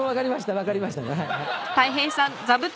分かりました。